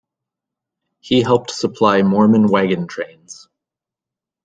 He helped supply Mormon wagon trains.